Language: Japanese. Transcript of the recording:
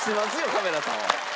カメラさんは。